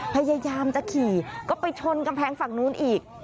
พยายามจะขี่ก็ไปชนกำแพงฝั่งนู้นอีก